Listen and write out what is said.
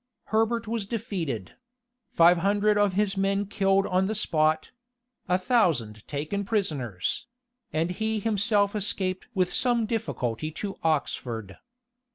Herbert was defeated; five hundred of his men killed on the spot; a thousand taken prisoners; and he himself escaped with some difficulty to Oxford.